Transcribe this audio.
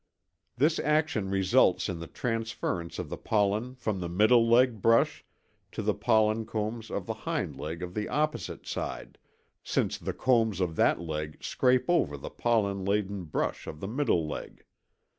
5.) This action results in the transference of the pollen from the middle leg brush to the pollen combs of the hind leg of the opposite side, since the combs of that leg scrape over the pollen laden brush of the middle leg.